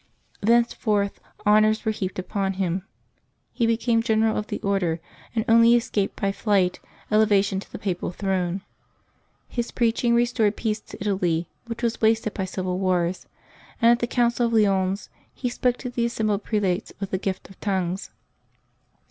Thenceforth honors were heaped upon him; he became general of the Order, and only escaped by flight elevation to the Papal throne. His preaching restored peace to Italy, which was wasted by civil wars ; and at the Council of Lyons, he spoke to the assembled prelates with the gift of tongues.